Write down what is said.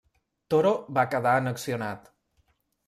Toro va quedar annexionat.